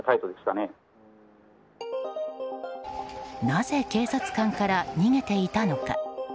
なぜ警察官から逃げていたのか。